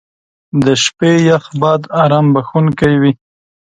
• د شپې یخ باد ارام بخښونکی وي.